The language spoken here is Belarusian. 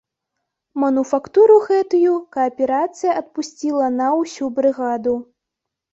Мануфактуру гэтую кааперацыя адпусціла на ўсю брыгаду.